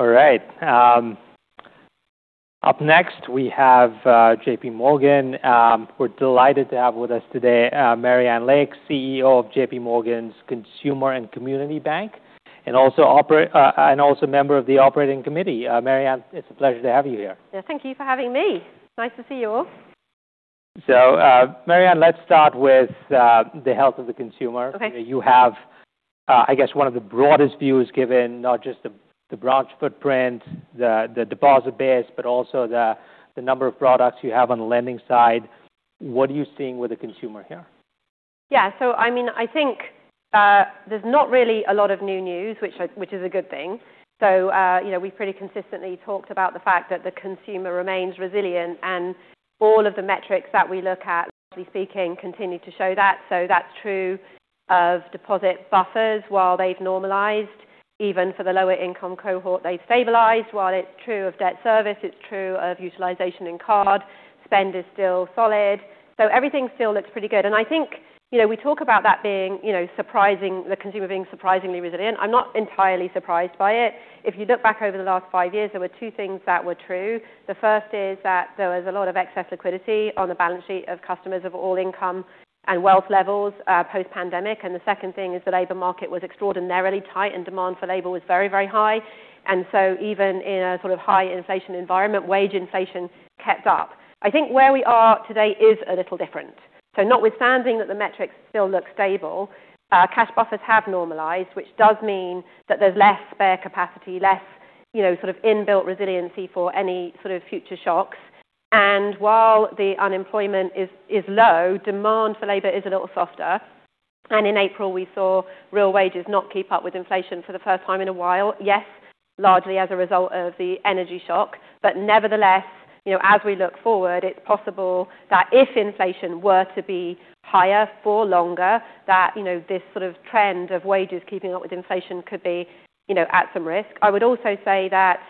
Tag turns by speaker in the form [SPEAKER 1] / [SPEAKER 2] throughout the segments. [SPEAKER 1] All right. Up next we have JPMorgan. We're delighted to have with us today, Marianne Lake, CEO of JPMorgan's Consumer & Community Banking, and also member of the operating committee. Marianne, it's a pleasure to have you here.
[SPEAKER 2] Yeah. Thank you for having me. Nice to see you all.
[SPEAKER 1] Marianne, let's start with the health of the consumer.
[SPEAKER 2] Okay.
[SPEAKER 1] You have, I guess, one of the broadest views given, not just the branch footprint, the deposit base, but also the number of products you have on the lending side. What are you seeing with the consumer here?
[SPEAKER 2] Yeah. I think there's not really a lot of new news, which is a good thing. We've pretty consistently talked about the fact that the consumer remains resilient, and all of the metrics that we look at, largely speaking, continue to show that. That's true of deposit buffers while they've normalized, even for the lower income cohort, they've stabilized while it's true of debt service, it's true of utilization in card. Spend is still solid. Everything still looks pretty good. I think, we talk about the consumer being surprisingly resilient. I'm not entirely surprised by it. If you look back over the last five years, there were two things that were true. The first is that there was a lot of excess liquidity on the balance sheet of customers of all income and wealth levels post-pandemic. The second thing is the labor market was extraordinarily tight, and demand for labor was very high. Even in a high inflation environment, wage inflation kept up. I think where we are today is a little different. Notwithstanding that the metrics still look stable, cash buffers have normalized, which does mean that there's less spare capacity, less inbuilt resiliency for any sort of future shocks. While the unemployment is low, demand for labor is a little softer. In April, we saw real wages not keep up with inflation for the first time in a while. Yes, largely as a result of the energy shock, but nevertheless, as we look forward, it's possible that if inflation were to be higher for longer, that this trend of wages keeping up with inflation could be at some risk. I would also say that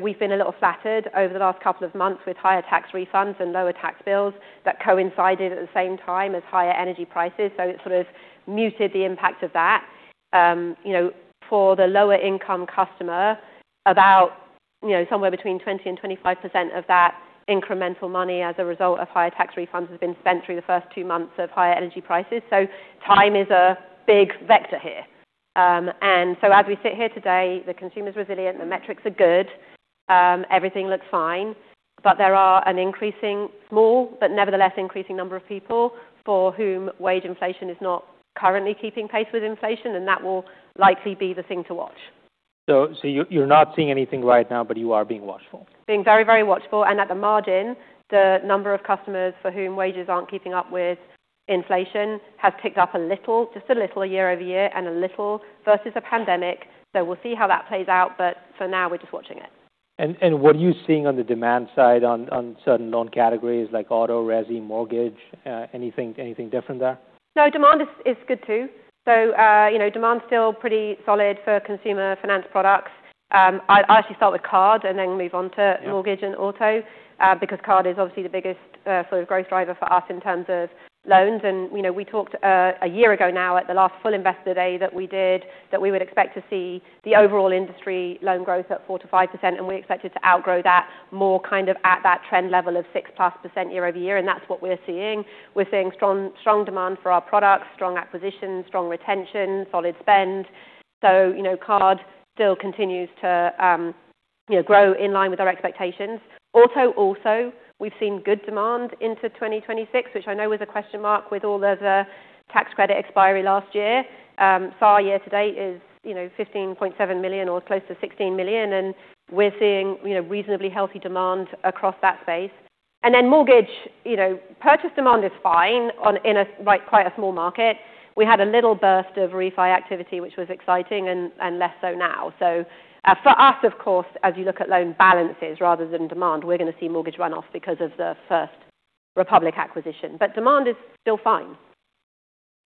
[SPEAKER 2] we've been a little flattered over the last couple of months with higher tax refunds and lower tax bills that coincided at the same time as higher energy prices. It sort of muted the impact of that. For the lower income customer, about somewhere between 20%-25% of that incremental money as a result of higher tax refunds has been spent through the first two months of higher energy prices. Time is a big vector here. As we sit here today, the consumer's resilient, the metrics are good. Everything looks fine, but there are an increasing small, but nevertheless increasing number of people for whom wage inflation is not currently keeping pace with inflation, and that will likely be the thing to watch.
[SPEAKER 1] You're not seeing anything right now, but you are being watchful.
[SPEAKER 2] Being very watchful. At the margin, the number of customers for whom wages aren't keeping up with inflation has ticked up a little, just a little year-over-year and a little versus the pandemic. We'll see how that plays out. For now, we're just watching it.
[SPEAKER 1] What are you seeing on the demand side on certain loan categories like auto, resi, mortgage? Anything different there?
[SPEAKER 2] No, demand is good too. Demand's still pretty solid for consumer finance products. I'll actually start with card and then move on to mortgage.
[SPEAKER 1] Yeah.
[SPEAKER 2] Auto, because card is obviously the biggest sort of growth driver for us in terms of loans. We talked a year ago now at the last full Investor Day that we did, that we would expect to see the overall industry loan growth at 4%-5%, and we expected to outgrow that more kind of at that trend level of 6%+ year-over-year, and that's what we're seeing. We're seeing strong demand for our products, strong acquisition, strong retention, solid spend. Card still continues to grow in line with our expectations. Auto also, we've seen good demand into 2026, which I know was a question mark with all the tax credit expiry last year. SAAR year to date is $15.7 million or close to $16 million, and we're seeing reasonably healthy demand across that space. Mortgage, purchase demand is fine in quite a small market. We had a little burst of refi activity, which was exciting and less so now. For us, of course, as you look at loan balances rather than demand, we're going to see mortgage run off because of the First Republic acquisition. Demand is still fine.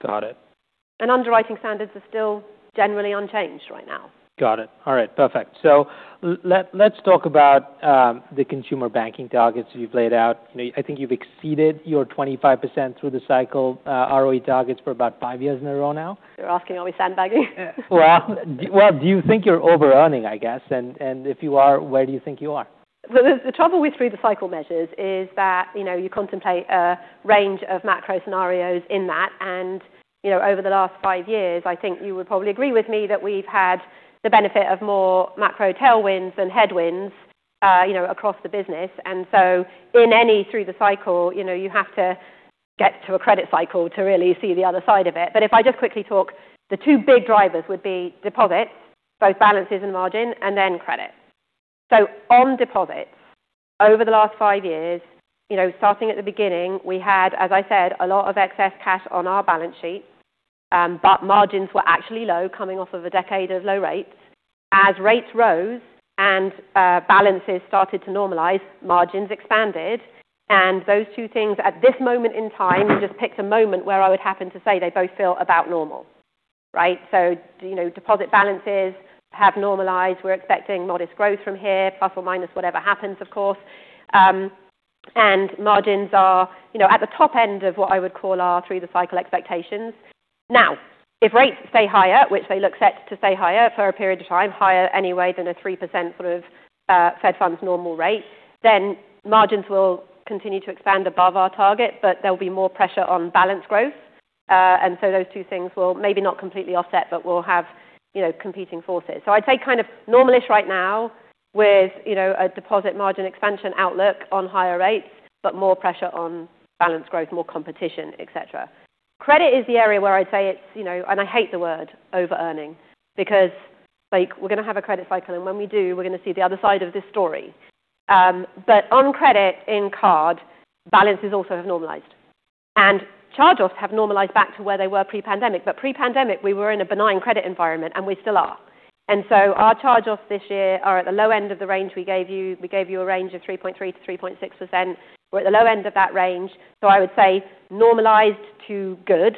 [SPEAKER 1] Got it.
[SPEAKER 2] Underwriting standards are still generally unchanged right now.
[SPEAKER 1] Got it. All right. Perfect. Let's talk about the Consumer & Community Banking targets you've laid out. I think you've exceeded your 25% through the cycle ROE targets for about five years in a row now.
[SPEAKER 2] You're asking, are we sandbagging?
[SPEAKER 1] Well, do you think you're over-earning, I guess, and if you are, where do you think you are?
[SPEAKER 2] Well, the trouble with through the cycle measures is that you contemplate a range of macro scenarios in that. Over the last five years, I think you would probably agree with me that we've had the benefit of more macro tailwinds than headwinds across the business. In any, through the cycle, you have to get to a credit cycle to really see the other side of it. If I just quickly talk, the two big drivers would be deposits, both balances and margin, and then credit. On deposits, over the last five years, starting at the beginning, we had, as I said, a lot of excess cash on our balance sheet. Margins were actually low coming off of a decade of low rates. As rates rose and balances started to normalize, margins expanded, those two things at this moment in time, you just picked a moment where I would happen to say they both feel about normal. Right? Deposit balances have normalized. We're expecting modest growth from here, plus or minus whatever happens, of course. Margins are at the top end of what I would call our through-the-cycle expectations. Now, if rates stay higher, which they look set to stay higher for a period of time, higher anyway than a 3% sort of Fed funds normal rate, margins will continue to expand above our target, but there'll be more pressure on balance growth. Those two things will maybe not completely offset, but will have competing forces. I'd say kind of normalish right now with a deposit margin expansion outlook on higher rates, but more pressure on balance growth, more competition, et cetera. Credit is the area where I'd say it's, and I hate the word over-earning, because we're going to have a credit cycle, and when we do, we're going to see the other side of this story. On credit in card, balances also have normalized, and charge-offs have normalized back to where they were pre-pandemic. Pre-pandemic, we were in a benign credit environment, and we still are. Our charge-offs this year are at the low end of the range we gave you. We gave you a range of 3.3%-3.6%. We're at the low end of that range. I would say normalized to good.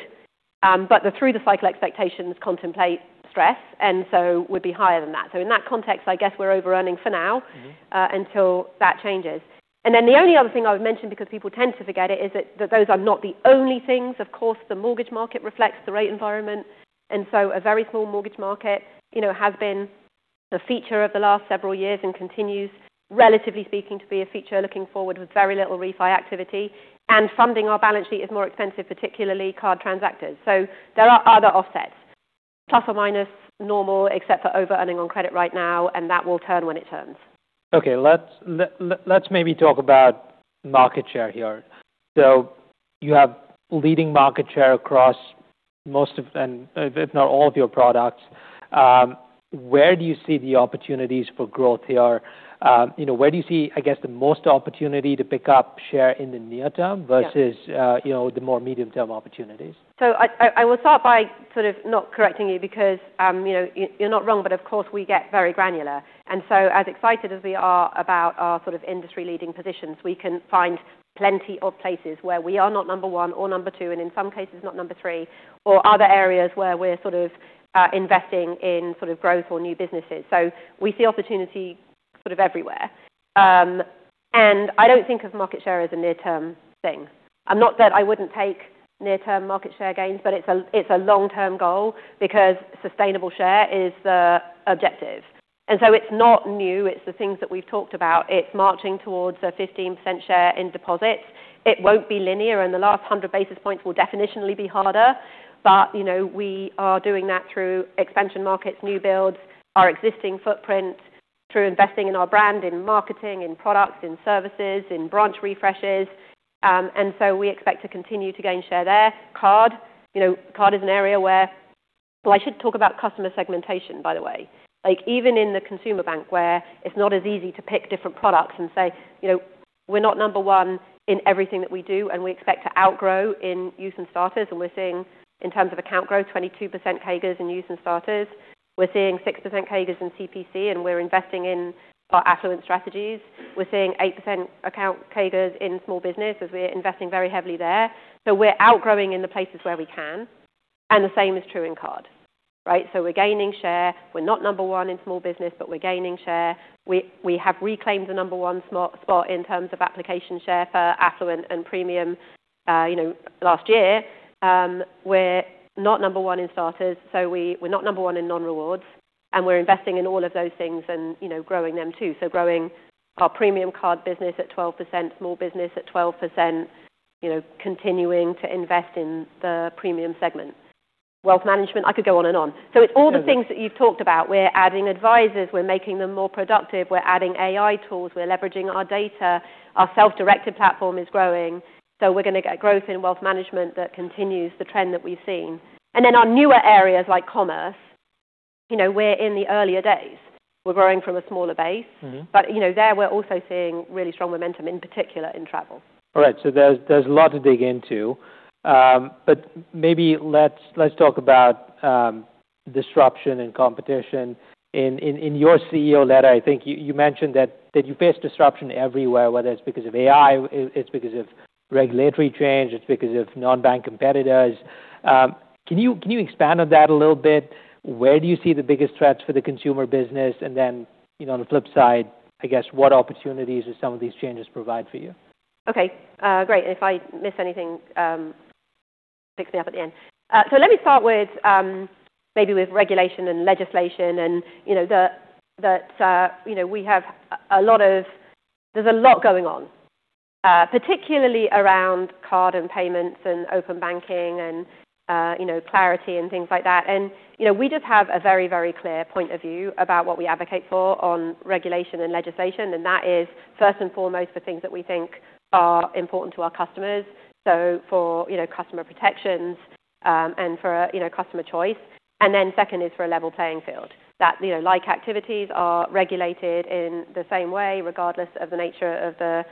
[SPEAKER 2] The through-the-cycle expectations contemplate stress, and so would be higher than that. In that context, I guess we're over-earning for now until that changes. The only other thing I would mention, because people tend to forget it, is that those are not the only things. Of course, the mortgage market reflects the rate environment. A very small mortgage market has been a feature of the last several years and continues, relatively speaking, to be a feature looking forward with very little refi activity. Funding our balance sheet is more expensive, particularly card transactors. There are other offsets. Plus or minus normal, except for over-earning on credit right now, and that will turn when it turns.
[SPEAKER 1] Okay, let's maybe talk about market share here. You have leading market share across most of, and if not all of your products. Where do you see the opportunities for growth here? Where do you see, I guess, the most opportunity to pick up share in the near term versus the more medium-term opportunities?
[SPEAKER 2] I will start by sort of not correcting you because you're not wrong, but of course, we get very granular. As excited as we are about our sort of industry-leading positions, we can find plenty of places where we are not number one or number two, and in some cases not number three, or other areas where we're sort of investing in growth or new businesses. We see opportunity sort of everywhere. I don't think of market share as a near-term thing. Not that I wouldn't take near-term market share gains, but it's a long-term goal because sustainable share is the objective. It's not new. It's the things that we've talked about. It's marching towards a 15% share in deposits. It won't be linear, and the last 100 basis points will definitionally be harder. We are doing that through expansion markets, new builds, our existing footprint, through investing in our brand, in marketing, in products, in services, in branch refreshes. We expect to continue to gain share there. Card is an area. I should talk about customer segmentation, by the way. Even in the consumer bank, where it's not as easy to pick different products and say we're not number one in everything that we do, we expect to outgrow in youth and starters. We're seeing, in terms of account growth, 22% CAGRs in youth and starters. We're seeing 6% CAGRs in CPC, and we're investing in our affluent strategies. We're seeing 8% account CAGRs in small business as we're investing very heavily there. We're outgrowing in the places where we can, and the same is true in card. Right? We're gaining share. We're not number one in small business, but we're gaining share. We have reclaimed the number one spot in terms of application share for affluent and premium last year. We're not number one in starters. We're not number one in non-rewards. We're investing in all of those things and growing them too. Growing our premium card business at 12%, small business at 12%, continuing to invest in the premium segment. Wealth management, I could go on and on. It's all the things that you've talked about. We're adding advisors. We're making them more productive. We're adding AI tools. We're leveraging our data. Our self-directed platform is growing. We're going to get growth in wealth management that continues the trend that we've seen. Our newer areas like commerce, we're in the earlier days. We're growing from a smaller base. There, we're also seeing really strong momentum, in particular in travel.
[SPEAKER 1] All right. There's a lot to dig into. Maybe let's talk about disruption and competition. In your CEO letter, I think you mentioned that you face disruption everywhere, whether it's because of AI, it's because of regulatory change, it's because of non-bank competitors. Can you expand on that a little bit? Where do you see the biggest threats for the consumer business? On the flip side, I guess, what opportunities do some of these changes provide for you?
[SPEAKER 2] Okay. Great. If I miss anything, pick me up at the end. Let me start maybe with regulation and legislation, that there's a lot going on, particularly around card and payments and open banking and [clarity] and things like that. We just have a very, very clear point of view about what we advocate for on regulation and legislation, that is first and foremost the things that we think are important to our customers. For customer protections, and for customer choice. Then second is for a level playing field. That like activities are regulated in the same way, regardless of the nature of the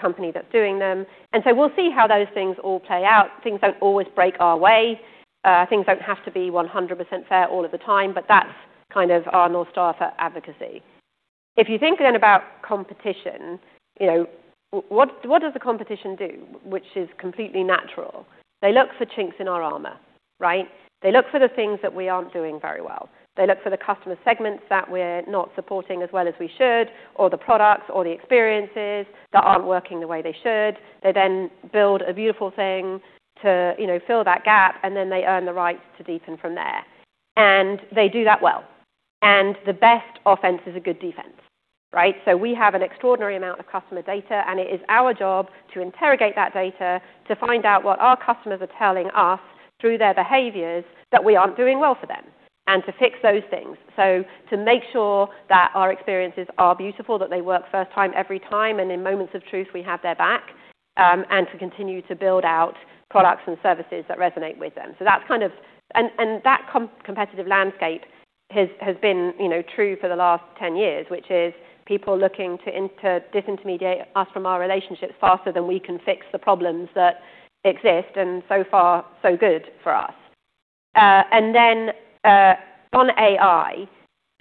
[SPEAKER 2] company that's doing them. We'll see how those things all play out. Things don't always break our way. Things don't have to be 100% fair all of the time, but that's kind of our North Star for advocacy. If you think then about competition, what does the competition do? Which is completely natural. They look for chinks in our armor, right? They look for the things that we aren't doing very well. They look for the customer segments that we're not supporting as well as we should, or the products or the experiences that aren't working the way they should. They then build a beautiful thing to fill that gap, then they earn the right to deepen from there. They do that well. The best offense is a good defense, right? We have an extraordinary amount of customer data, and it is our job to interrogate that data to find out what our customers are telling us through their behaviors that we aren't doing well for them, and to fix those things. To make sure that our experiences are beautiful, that they work first time, every time, and in moments of truth, we have their back. To continue to build out products and services that resonate with them. That competitive landscape has been true for the last 10 years, which is people looking to disintermediate us from our relationships faster than we can fix the problems that exist, and so far, so good for us. Then, on AI.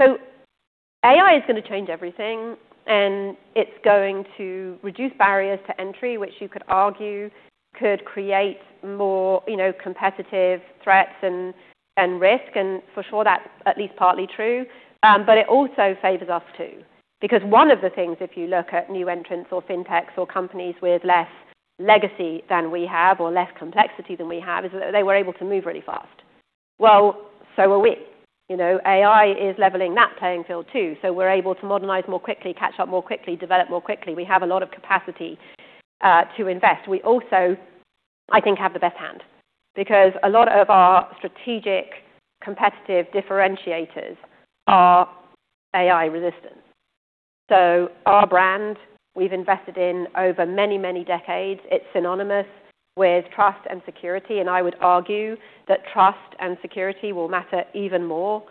[SPEAKER 2] AI is going to change everything, and it's going to reduce barriers to entry, which you could argue could create more competitive threats and risk, for sure, that's at least partly true. It also favors us, too. Because one of the things, if you look at new entrants or fintechs or companies with less legacy than we have or less complexity than we have, is that they were able to move really fast. Well, so are we. AI is leveling that playing field, too, so we're able to modernize more quickly, catch up more quickly, develop more quickly. We have a lot of capacity to invest. We also, I think, have the best hand because a lot of our strategic competitive differentiators are AI resistant. Our brand, we've invested in over many, many decades. It's synonymous with trust and security, I would argue that trust and security will matter even more.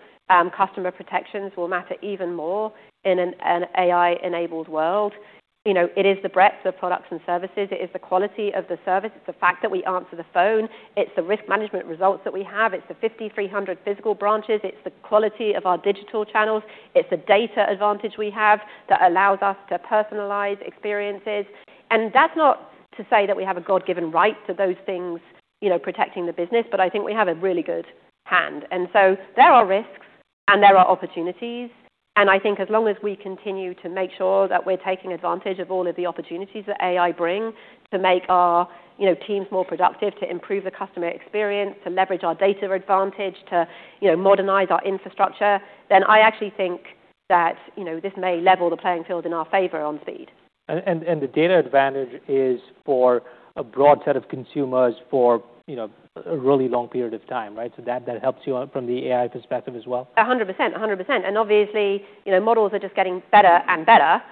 [SPEAKER 2] Customer protections will matter even more in an AI-enabled world. It is the breadth of products and services. It is the quality of the service. It's the fact that we answer the phone. It's the risk management results that we have. It's the 5,300 physical branches. It's the quality of our digital channels. It's the data advantage we have that allows us to personalize experiences. That's not to say that we have a God-given right to those things protecting the business, but I think we have a really good hand. There are risks and there are opportunities. I think as long as we continue to make sure that we're taking advantage of all of the opportunities that AI bring to make our teams more productive, to improve the customer experience, to leverage our data advantage, to modernize our infrastructure, I actually think that this may level the playing field in our favor on speed.
[SPEAKER 1] The data advantage is for a broad set of consumers for a really long period of time, right? That helps you from the AI perspective as well.
[SPEAKER 2] 100%. Obviously, models are just getting better and better.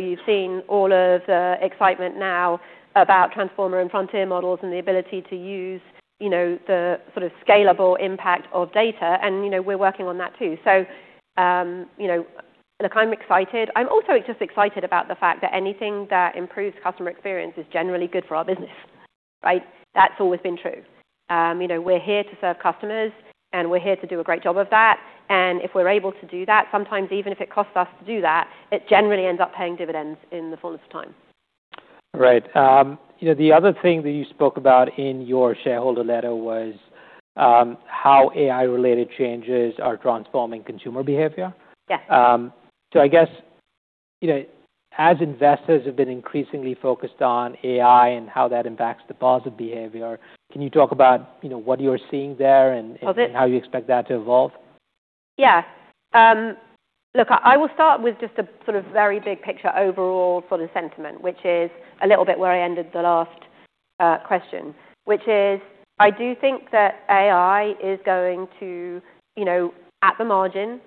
[SPEAKER 2] You've seen all of the excitement now about transformer and frontier models and the ability to use the sort of scalable impact of data, we're working on that too. Look, I'm excited. I'm also just excited about the fact that anything that improves customer experience is generally good for our business. Right? That's always been true. We're here to serve customers, and we're here to do a great job of that. If we're able to do that, sometimes even if it costs us to do that, it generally ends up paying dividends in the fullness of time.
[SPEAKER 1] Right. The other thing that you spoke about in your shareholder letter was how AI-related changes are transforming consumer behavior.
[SPEAKER 2] Yes.
[SPEAKER 1] I guess, as investors have been increasingly focused on AI and how that impacts deposit behavior, can you talk about what you're seeing there.
[SPEAKER 2] Love it.
[SPEAKER 1] How you expect that to evolve?
[SPEAKER 2] Yeah. Look, I will start with just a sort of very big picture overall sort of sentiment, which is a little bit where I ended the last question, which is I do think that AI is going to, at the margin,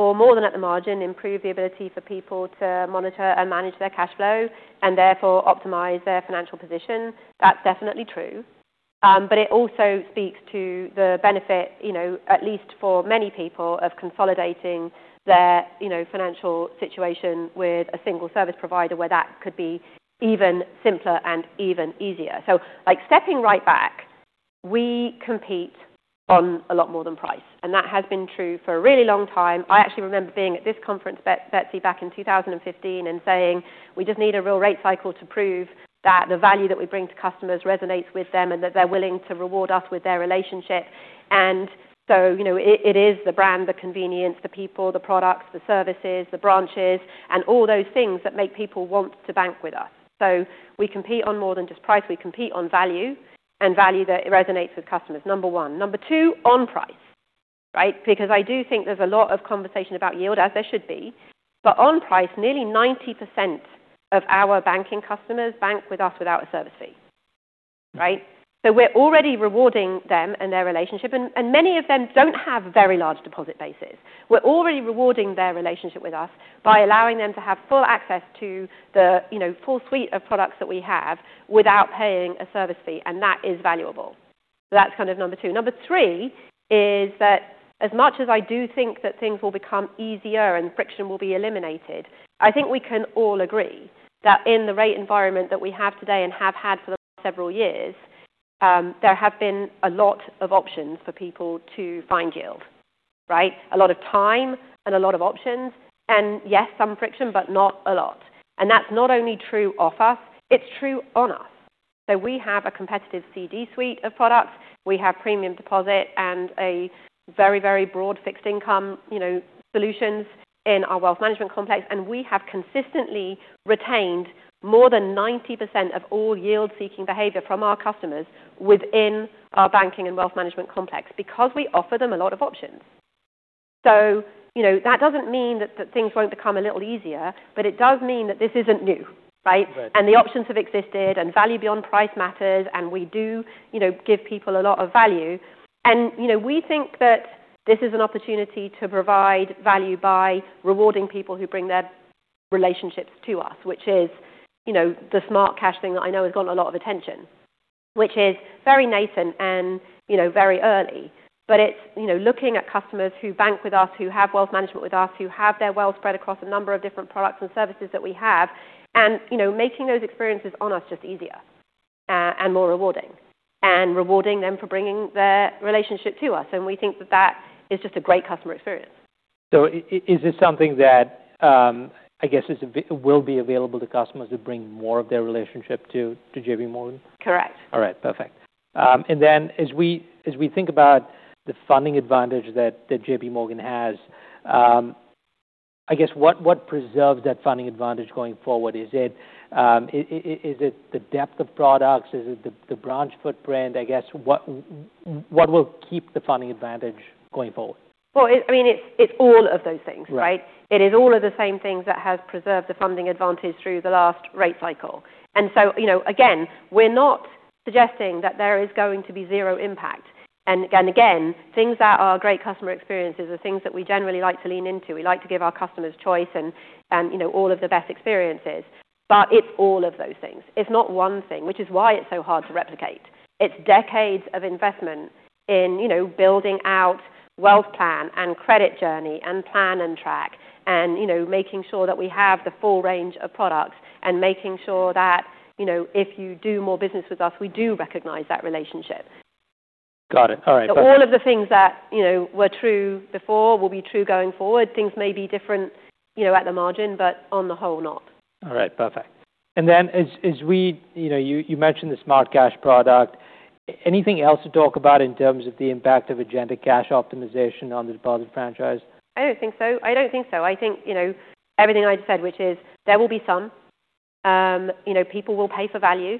[SPEAKER 2] or more than at the margin, improve the ability for people to monitor and manage their cash flow and therefore optimize their financial position. That's definitely true. It also speaks to the benefit, at least for many people, of consolidating their financial situation with a single service provider where that could be even simpler and even easier. Stepping right back, we compete on a lot more than price, and that has been true for a really long time. I actually remember being at this conference, Betsy, back in 2015 and saying we just need a real rate cycle to prove that the value that we bring to customers resonates with them and that they're willing to reward us with their relationship. It is the brand, the convenience, the people, the products, the services, the branches, and all those things that make people want to bank with us. We compete on more than just price. We compete on value and value that resonates with customers, number one. Number two, on price, right? I do think there's a lot of conversation about yield, as there should be. On price, nearly 90% of our banking customers bank with us without a service fee. Right? We're already rewarding them and their relationship. Many of them don't have very large deposit bases. We're already rewarding their relationship with us by allowing them to have full access to the full suite of products that we have without paying a service fee, and that is valuable. That's kind of number two. Number three is that as much as I do think that things will become easier and friction will be eliminated, I think we can all agree that in the rate environment that we have today and have had for the last several years, there have been a lot of options for people to find yield. Right? A lot of time and a lot of options. Yes, some friction, but not a lot. That's not only true of us, it's true on us. We have a competitive CD suite of products. We have Premium Deposit and a very, very broad fixed income solutions in our wealth management complex. We have consistently retained more than 90% of all yield-seeking behavior from our customers within our banking and wealth management complex because we offer them a lot of options. That doesn't mean that things won't become a little easier, it does mean that this isn't new, right?
[SPEAKER 1] Right.
[SPEAKER 2] The options have existed and value beyond price matters, and we do give people a lot of value. We think that this is an opportunity to provide value by rewarding people who bring their relationships to us, which is the Smart Cash thing that I know has gotten a lot of attention. Which is very nascent and very early, but it's looking at customers who bank with us, who have wealth management with us, who have their wealth spread across a number of different products and services that we have, and making those experiences on us just easier and more rewarding. Rewarding them for bringing their relationship to us. We think that that is just a great customer experience.
[SPEAKER 1] Is this something that will be available to customers who bring more of their relationship to JPMorgan?
[SPEAKER 2] Correct.
[SPEAKER 1] All right, perfect. As we think about the funding advantage that JPMorgan has, I guess, what preserves that funding advantage going forward? Is it the depth of products? Is it the branch footprint? I guess, what will keep the funding advantage going forward?
[SPEAKER 2] Well, it's all of those things, right?
[SPEAKER 1] Right.
[SPEAKER 2] It is all of the same things that have preserved the funding advantage through the last rate cycle. Again, we're not suggesting that there is going to be zero impact. Again, things that are great customer experiences are things that we generally like to lean into. We like to give our customers choice and all of the best experiences. It's all of those things. It's not one thing, which is why it's so hard to replicate. It's decades of investment in building out Wealth Plan and Credit Journey and Plan & track and making sure that we have the full range of products and making sure that if you do more business with us, we do recognize that relationship.
[SPEAKER 1] Got it. All right. Perfect.
[SPEAKER 2] All of the things that were true before will be true going forward. Things may be different at the margin, but on the whole, not.
[SPEAKER 1] All right. Perfect. You mentioned the Smart Cash product. Anything else to talk about in terms of the impact of agentic cash optimization on the deposit franchise?
[SPEAKER 2] I don't think so. I think everything I just said, which is there will be some. People will pay for value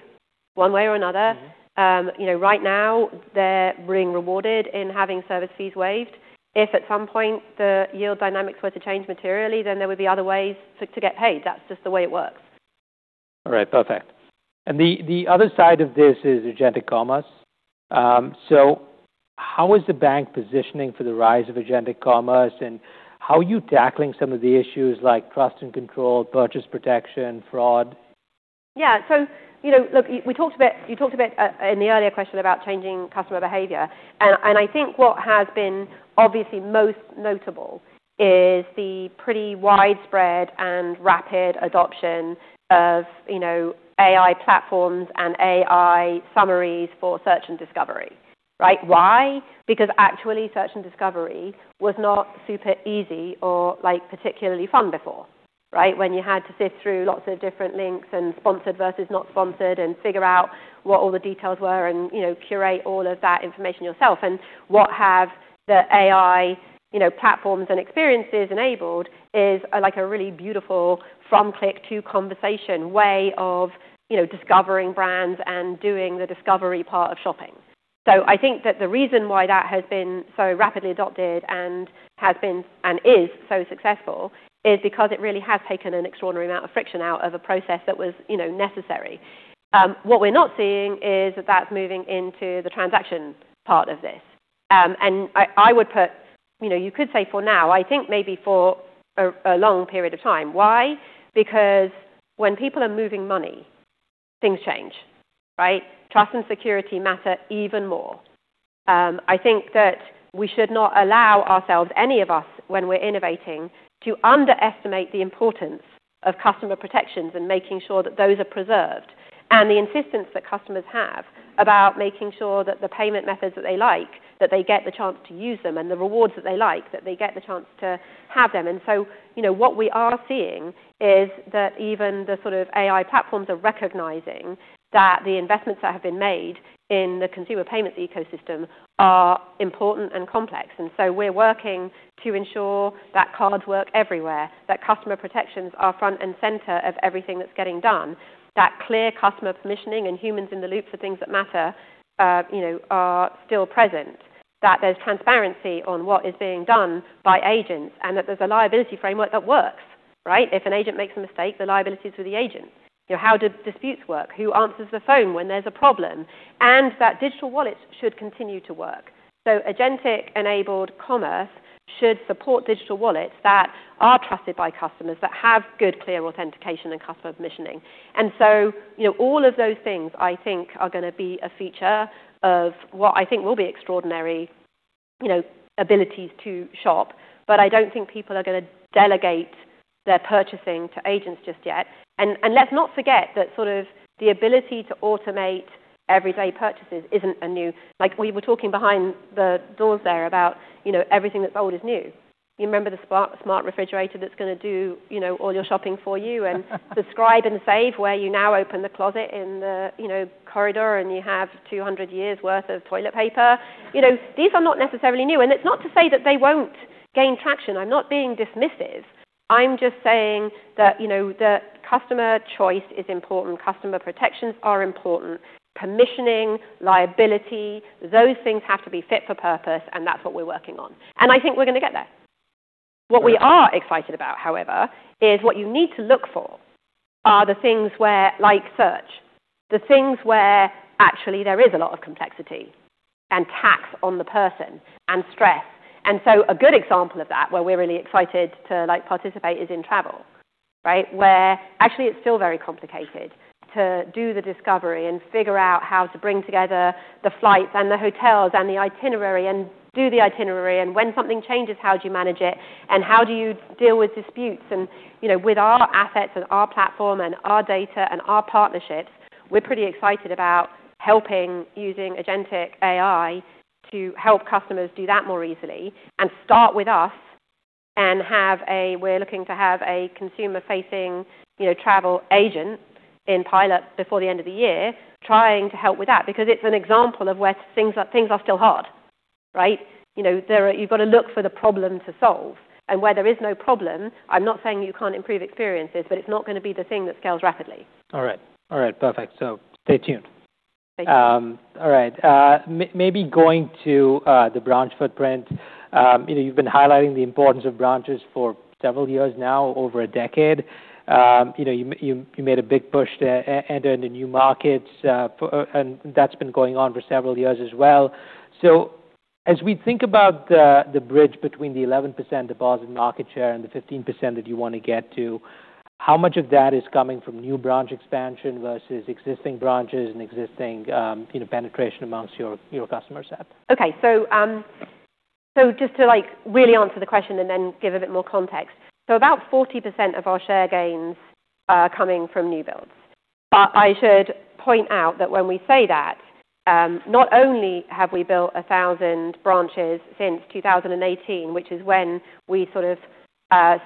[SPEAKER 2] one way or another. Right now they're being rewarded in having service fees waived. If at some point the yield dynamics were to change materially, then there would be other ways to get paid. That's just the way it works.
[SPEAKER 1] All right, perfect. The other side of this is agentic commerce. How is the bank positioning for the rise of agentic commerce, and how are you tackling some of the issues like trust and control, purchase protection, fraud?
[SPEAKER 2] Yeah. Look, you talked a bit in the earlier question about changing customer behavior. I think what has been obviously most notable is the pretty widespread and rapid adoption of AI platforms and AI summaries for search and discovery. Right? Why? Because actually, search and discovery was not super easy or particularly fun before. Right? When you had to sift through lots of different links and sponsored versus not sponsored, and figure out what all the details were and curate all of that information yourself. What have the AI platforms and experiences enabled is like a really beautiful from click to conversation way of discovering brands and doing the discovery part of shopping. I think that the reason why that has been so rapidly adopted and has been and is so successful is because it really has taken an extraordinary amount of friction out of a process that was necessary. What we're not seeing is that that's moving into the transaction part of this. I would put, you could say for now, I think maybe for a long period of time. Why? When people are moving money, things change, right? Trust and security matter even more. I think that we should not allow ourselves, any of us, when we're innovating, to underestimate the importance of customer protections and making sure that those are preserved. The insistence that customers have about making sure that the payment methods that they like, that they get the chance to use them, and the rewards that they like, that they get the chance to have them. What we are seeing is that even the sort of AI platforms are recognizing that the investments that have been made in the consumer payments ecosystem are important and complex. We're working to ensure that cards work everywhere, that customer protections are front and center of everything that's getting done. That clear customer permissioning and humans in the loop for things that matter are still present. That there's transparency on what is being done by agents, and that there's a liability framework that works. Right? If an agent makes a mistake, the liability is with the agent. How do disputes work? Who answers the phone when there's a problem? That digital wallets should continue to work. Agentic-enabled commerce should support digital wallets that are trusted by customers, that have good, clear authentication and customer permissioning. All of those things, I think, are gonna be a feature of what I think will be extraordinary abilities to shop. I don't think people are gonna delegate their purchasing to agents just yet. Let's not forget that the ability to automate everyday purchases isn't new. We were talking behind the doors there about everything that's old is new. You remember the smart refrigerator that's going to do all your shopping for you. The Subscribe & Save, where you now open the closet in the corridor and you have 200 years' worth of toilet paper. These are not necessarily new. It's not to say that they won't gain traction. I'm not being dismissive. I'm just saying that customer choice is important, customer protections are important. Commissioning, liability, those things have to be fit for purpose, and that's what we're working on. I think we're going to get there. What we are excited about, however, is what you need to look for are the things where, like search, the things where actually there is a lot of complexity and tax on the person and stress. A good example of that, where we're really excited to participate, is in travel. Where actually it's still very complicated to do the discovery and figure out how to bring together the flights and the hotels and the itinerary, and do the itinerary. When something changes, how do you manage it, and how do you deal with disputes? With our assets and our platform and our data and our partnerships, we're pretty excited about using agentic AI to help customers do that more easily. Start with us, we're looking to have a consumer-facing travel agent in pilot before the end of the year trying to help with that. It's an example of where things are still hard. You've got to look for the problem to solve. Where there is no problem, I'm not saying you can't improve experiences, but it's not going to be the thing that scales rapidly.
[SPEAKER 1] All right. Perfect. Stay tuned.
[SPEAKER 2] Thank you.
[SPEAKER 1] All right. Maybe going to the branch footprint. You've been highlighting the importance of branches for several years now, over a decade. You made a big push to enter into new markets, and that's been going on for several years as well. As we think about the bridge between the 11%, deposit market share, and the 15% that you want to get to, how much of that is coming from new branch expansion versus existing branches and existing penetration amongst your customer set?
[SPEAKER 2] Okay. Just to really answer the question and then give a bit more context. About 40% of our share gains are coming from new builds. I should point out that when we say that, not only have we built 1,000 branches since 2018, which is when we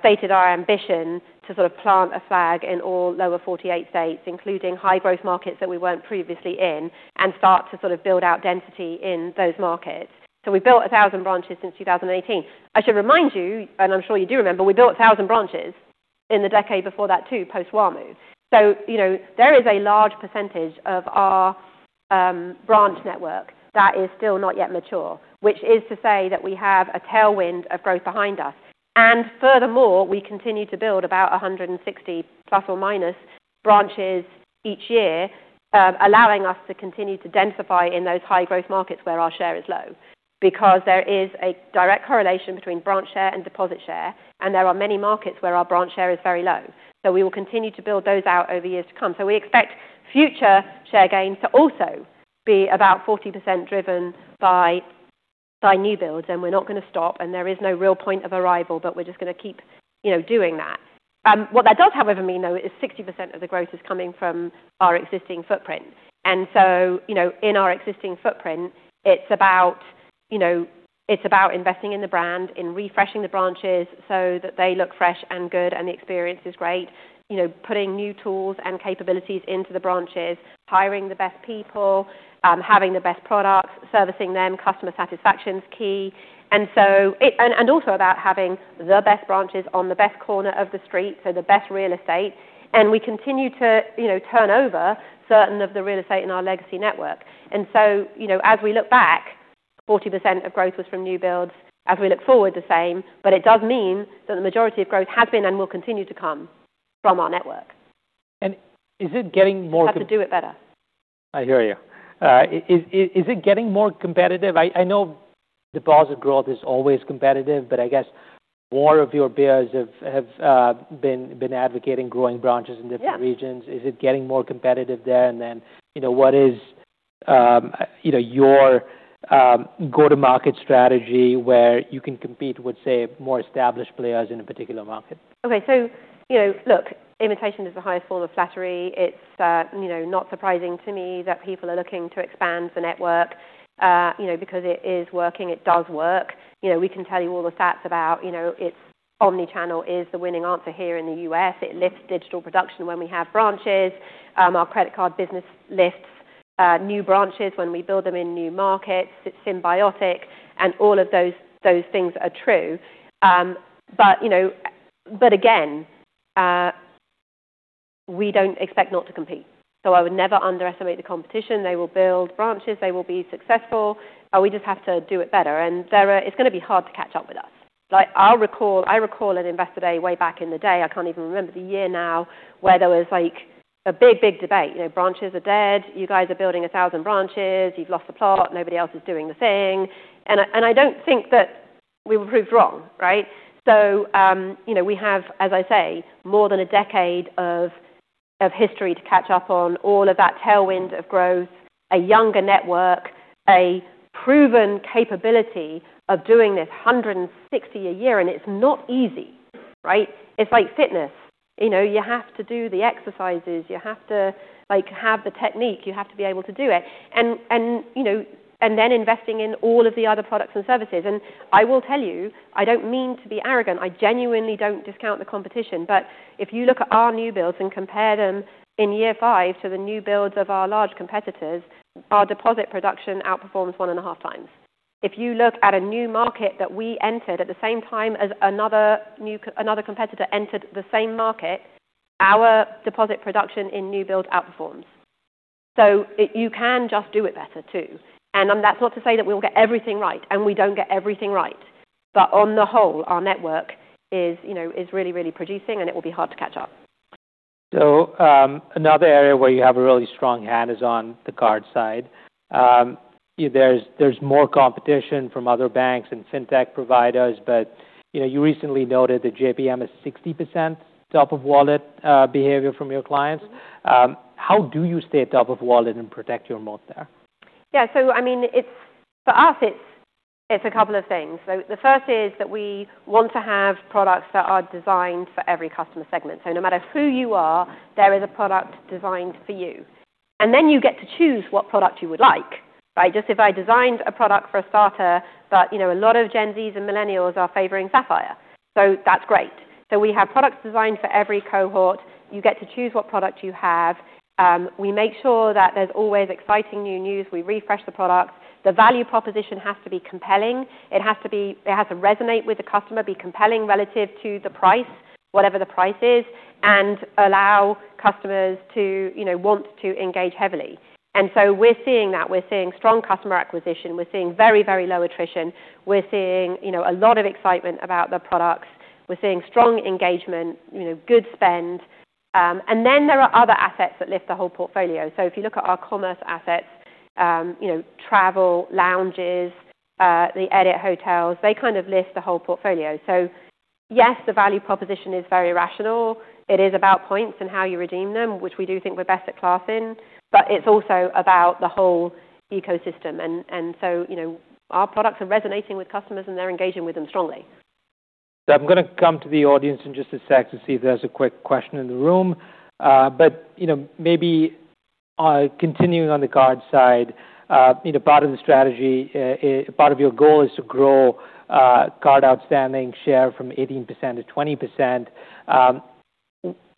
[SPEAKER 2] stated our ambition to plant a flag in all lower 48 states, including high-growth markets that we weren't previously in, and start to build out density in those markets. We've built 1,000 branches since 2018. I should remind you, and I'm sure you do remember, we built 1,000 branches in the decade before that too, post WaMu. There is a large percentage of our branch network that is still not yet mature, which is to say that we have a tailwind of growth behind us. Furthermore, we continue to build about 160, plus or minus, branches each year, allowing us to continue to densify in those high-growth markets where our share is low. There is a direct correlation between branch share and deposit share, and there are many markets where our branch share is very low. We will continue to build those out over years to come. We expect future share gains to also be about 40% driven by new builds, and we're not going to stop, and there is no real point of arrival, but we're just going to keep doing that. What that does however mean, though, is 60% of the growth is coming from our existing footprint. In our existing footprint, it's about investing in the brand, in refreshing the branches so that they look fresh and good and the experience is great. Putting new tools and capabilities into the branches, hiring the best people, having the best products, servicing them, customer satisfaction's key. Also about having the best branches on the best corner of the street, so the best real estate. We continue to turn over certain of the real estate in our legacy network. As we look back, 40% of growth was from new builds. As we look forward, the same. It does mean that the majority of growth has been and will continue to come from our network.
[SPEAKER 1] Is it getting more com-
[SPEAKER 2] We have to do it better.
[SPEAKER 1] I hear you. Is it getting more competitive? I know deposit growth is always competitive, but I guess more of your peers have been advocating growing branches in different regions.
[SPEAKER 2] Yeah.
[SPEAKER 1] Is it getting more competitive there? What is your go-to-market strategy where you can compete with, say, more established players in a particular market?
[SPEAKER 2] Okay. Look, imitation is the highest form of flattery. It's not surprising to me that people are looking to expand the network because it is working. It does work. We can tell you all the stats about its omnichannel is the winning answer here in the U.S. It lifts digital production when we have branches. Our credit card business lifts new branches when we build them in new markets. It's symbiotic. All of those things are true. Again, we don't expect not to compete. I would never underestimate the competition. They will build branches. They will be successful. We just have to do it better. It's going to be hard to catch up with us. I recall an Investor Day way back in the day, I can't even remember the year now, where there was a big debate. Branches are dead. You guys are building 1,000 branches. You've lost the plot. Nobody else is doing the thing. I don't think that we were proved wrong, right? We have, as I say, more than a decade of history to catch up on all of that tailwind of growth, a younger network, a proven capability of doing this 160 a year, and it's not easy. It's like fitness. You have to do the exercises. You have to have the technique. You have to be able to do it. Then investing in all of the other products and services. I will tell you, I don't mean to be arrogant, I genuinely don't discount the competition. If you look at our new builds and compare them in year five to the new builds of our large competitors, our deposit production outperforms one and a half times. If you look at a new market that we entered at the same time as another competitor entered the same market, our deposit production in new build outperforms. You can just do it better, too. That's not to say that we all get everything right, and we don't get everything right. On the whole, our network is really producing, and it will be hard to catch up.
[SPEAKER 1] Another area where you have a really strong hand is on the card side. There's more competition from other banks and fintech providers, but you recently noted that JPM is 60% top of wallet behavior from your clients. How do you stay top of wallet and protect your moat there?
[SPEAKER 2] Yeah. For us, it's a couple of things. The first is that we want to have products that are designed for every customer segment. No matter who you are, there is a product designed for you. Then you get to choose what product you would like. Just if I designed a product for a starter, but a lot of Gen Zs and Millennials are favoring Sapphire. That's great. We have products designed for every cohort. You get to choose what product you have. We make sure that there's always exciting new news. We refresh the products. The value proposition has to be compelling. It has to resonate with the customer, be compelling relative to the price, whatever the price is, and allow customers to want to engage heavily. We're seeing that. We're seeing strong customer acquisition. We're seeing very low attrition. We're seeing a lot of excitement about the products. We're seeing strong engagement, good spend. Then there are other assets that lift the whole portfolio. If you look at our commerce assets, travel, lounges, The Edit hotels, they kind of lift the whole portfolio. Yes, the value proposition is very rational. It is about points and how you redeem them, which we do think we're best in class. It's also about the whole ecosystem. So our products are resonating with customers, and they're engaging with them strongly.
[SPEAKER 1] I'm going to come to the audience in just a sec to see if there's a quick question in the room. Maybe continuing on the card side, part of the strategy, part of your goal is to grow card outstanding share from 18% to 20%.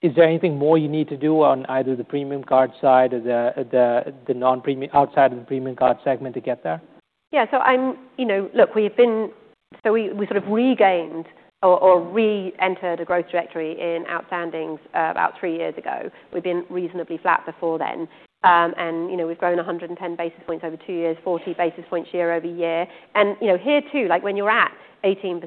[SPEAKER 1] Is there anything more you need to do on either the premium card side or outside of the premium card segment to get there?
[SPEAKER 2] Look, we sort of regained or reentered a growth trajectory in outstandings about three years ago. We'd been reasonably flat before then. We've grown 110 basis points over two years, 40 basis points year-over-year. Here too, when you're at 18%,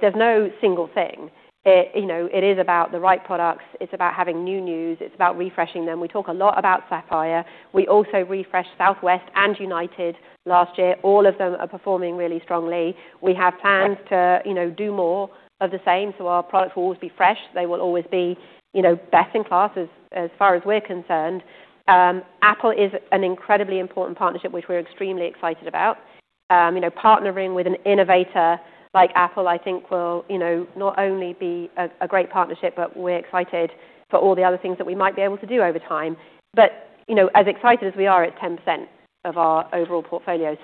[SPEAKER 2] there's no single thing. It is about the right products. It's about having new news. It's about refreshing them. We talk a lot about Sapphire. We also refreshed Southwest and United last year. All of them are performing really strongly. We have plans to do more of the same, our products will always be fresh. They will always be best in class as far as we're concerned. Apple is an incredibly important partnership, which we're extremely excited about. Partnering with an innovator like Apple, I think will not only be a great partnership, but we're excited for all the other things that we might be able to do over time. As excited as we are, it's 10% of our overall portfolio.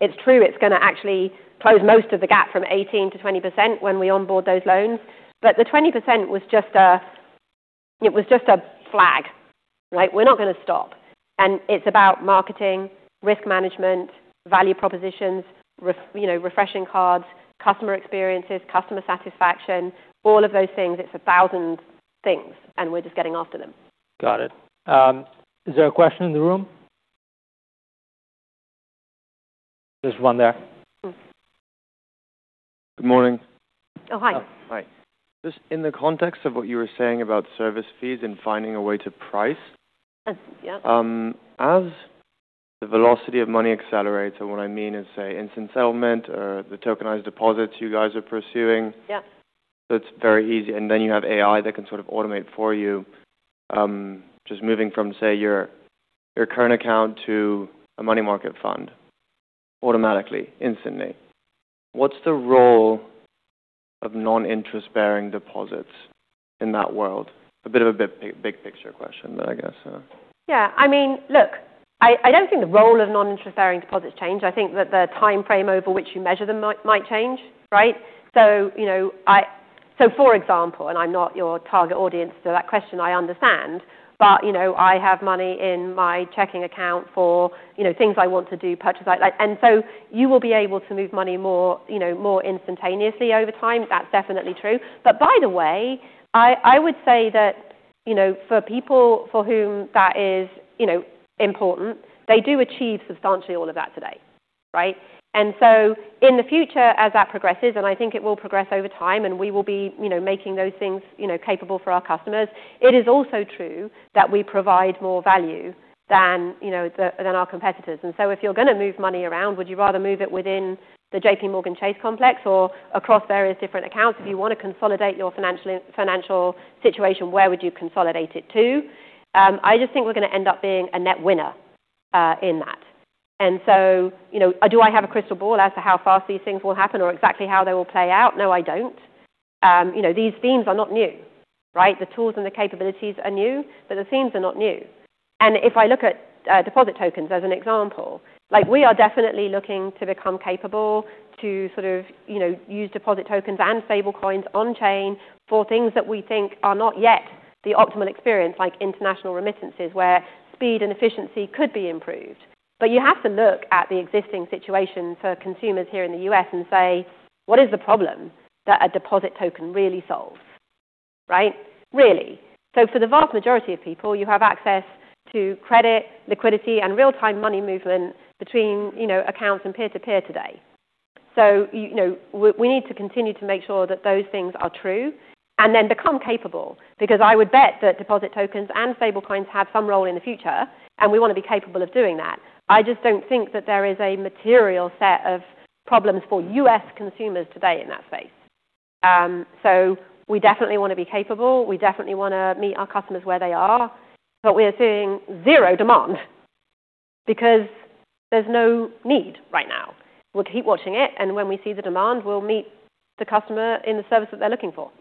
[SPEAKER 2] It's true it's going to actually close most of the gap from 18%-20% when we onboard those loans. The 20% was just a flag. We're not going to stop. It's about marketing, risk management, value propositions, refreshing cards, customer experiences, customer satisfaction, all of those things. It's 1,000 things, and we're just getting after them.
[SPEAKER 1] Got it. Is there a question in the room? There's one there.
[SPEAKER 3] Good morning.
[SPEAKER 2] Oh, hi.
[SPEAKER 3] Hi. Just in the context of what you were saying about service fees and finding a way to price.
[SPEAKER 2] Yes
[SPEAKER 3] As the velocity of money accelerates, and what I mean is, say, instant settlement or the deposit tokens you guys are pursuing.
[SPEAKER 2] Yeah.
[SPEAKER 3] It's very easy. Then you have AI that can sort of automate for you. Just moving from, say, your current account to a money market fund automatically, instantly. What's the role of non-interest-bearing deposits in that world? A bit of a big picture question, I guess, yeah.
[SPEAKER 2] Yeah. Look, I don't think the role of non-interest-bearing deposits change. I think that the timeframe over which you measure them might change. For example, and I'm not your target audience for that question, I understand. I have money in my checking account for things I want to do, purchase. You will be able to move money more instantaneously over time. That's definitely true. By the way, I would say that for people for whom that is important, they do achieve substantially all of that today. In the future, as that progresses, and I think it will progress over time, and we will be making those things capable for our customers. It is also true that we provide more value than our competitors. If you're going to move money around, would you rather move it within the JPMorgan Chase complex or across various different accounts? If you want to consolidate your financial situation, where would you consolidate it to? I just think we're going to end up being a net winner in that. Do I have a crystal ball as to how fast these things will happen or exactly how they will play out? No, I don't. These themes are not new. The tools and the capabilities are new, but the themes are not new. If I look at deposit tokens as an example, we are definitely looking to become capable to sort of use deposit tokens and stablecoins on chain for things that we think are not yet the optimal experience, like international remittances, where speed and efficiency could be improved. You have to look at the existing situation for consumers here in the U.S. and say, "What is the problem that a deposit token really solves?" Really. For the vast majority of people, you have access to credit, liquidity, and real-time money movement between accounts and peer-to-peer today. We need to continue to make sure that those things are true and then become capable, because I would bet that deposit tokens and stablecoins have some role in the future, and we want to be capable of doing that. I just don't think that there is a material set of problems for U.S. consumers today in that space. We definitely want to be capable. We definitely want to meet our customers where they are. We are seeing zero demand because there's no need right now. We'll keep watching it, when we see the demand, we'll meet the customer in the service that they're looking for.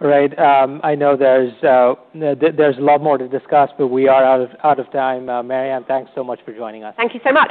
[SPEAKER 1] Right. I know there's a lot more to discuss, we are out of time. Marianne, thanks so much for joining us.
[SPEAKER 2] Thank you so much.